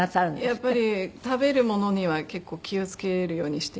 やっぱり食べるものには結構気を付けるようにしていて。